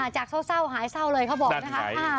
จากเศร้าหายเศร้าเลยเขาบอกนะคะ